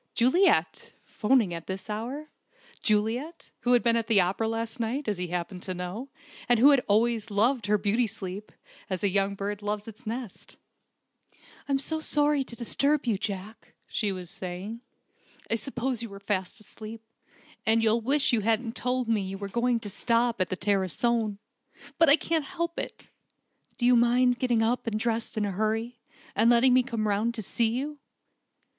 Juliet! 'phoning at this hour! Juliet, who had been at the opera last night, as he happened to know, and who had always loved her beauty sleep, as a young bird loves its nest! "I'm sorry to disturb you, Jack," she was saying. "I suppose you were fast asleep, and you'll wish you hadn't told me you were going to stop at the Tarascon. But I can't help it! Do you mind getting up and dressing in a hurry, and letting me come round to see you?"